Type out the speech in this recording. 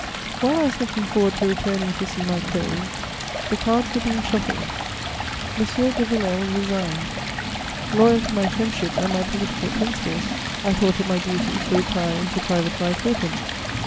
While I was looking forward to returning to see my crows, the cards were being shuffled: M. de Villèle resigned. Loyal to my friendship and my political principles, I thought it my duty to retire into private life with him.